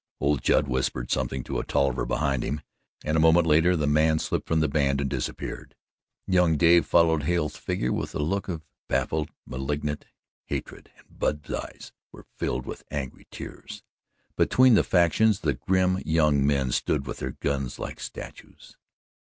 Old Judd whispered something to a Tolliver behind him and a moment later the man slipped from the band and disappeared. Young Dave followed Hale's figure with a look of baffled malignant hatred and Bub's eyes were filled with angry tears. Between the factions, the grim young men stood with their guns like statues.